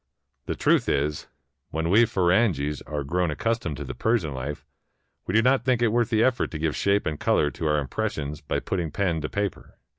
The truth is, when we Firangis are grown accustomed to the Persian life, w^e do not think it worth the effort to give shape and color to our impressions by putting pen to paper.